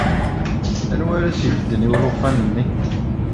Anwa ara as-ibedden i ulufan-nni?